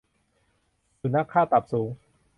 สุนัขค่าตับสูง